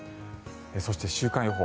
そして、週間予報。